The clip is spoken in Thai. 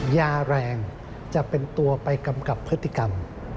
ยาแรงจะเป็นตัวไปกำกับพฤติกรรม